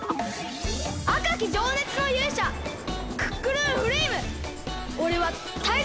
あかきじょうねつのゆうしゃクックルンフレイムおれはタイゾウ！